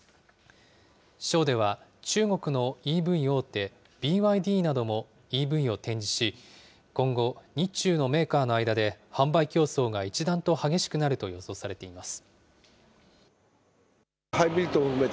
ショーでは、中国のＥＶ大手、ＢＹＤなどもＥＶを展示し、今後、日中のメーカーの間で販売競争が一段と激しくなると予想されています。